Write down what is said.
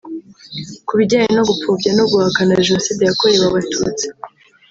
Ku bijyanye no gupfobya no guhakana Jenoside yakorewe Abatutsi